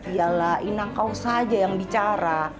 iyalah inang kau saja yang bicara